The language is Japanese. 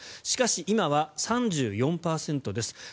しかし、今は３４％です。